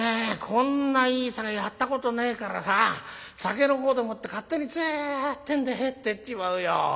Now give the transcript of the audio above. こんないい酒やったことねえからさ酒の方でもって勝手にツンってんで入ってっちまうよ。